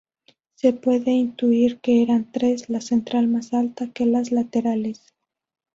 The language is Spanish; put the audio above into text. Se puede intuir que eran tres, la central más alta que las laterales.